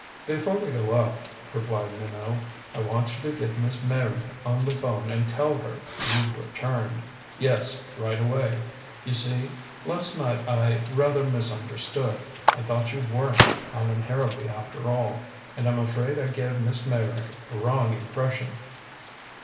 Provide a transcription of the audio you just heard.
"Before we go up," replied Minot, "I want you to get Miss Meyrick on the phone and tell her you've returned. Yes right away. You see last night I rather misunderstood I thought you weren't Allan Harrowby after all and I'm afraid I gave Miss Meyrick a wrong impression."